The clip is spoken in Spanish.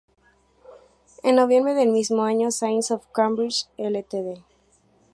En noviembre del mismo año Science of Cambridge Ltd.